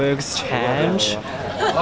kadang kadang saya akan